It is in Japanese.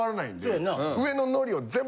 そうやな。